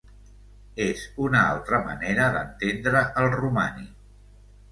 És una altra manera d’entendre el romànic.